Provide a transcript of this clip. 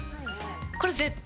これ絶対。